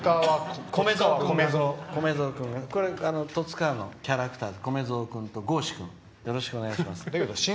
新十津川のキャラクターこめぞー君と郷士くん、よろしくお願いします。